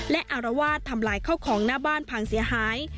และอารวาสทำลายเข้าของหน้าบ้านพังเสียหาย